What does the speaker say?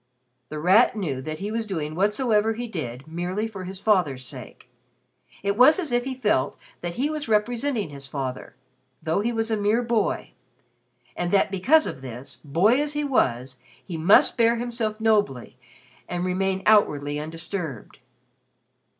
The Rat knew that he was doing whatsoever he did merely for his father's sake. It was as if he felt that he was representing his father, though he was a mere boy; and that because of this, boy as he was, he must bear himself nobly and remain outwardly undisturbed.